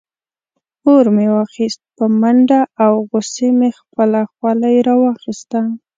اور مې واخیست په منډه او غصې مې خپله خولۍ راواخیسته.